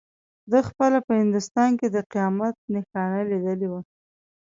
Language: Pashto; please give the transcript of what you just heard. ده خپله په هندوستان کې د قیامت نښانه لیدلې وه.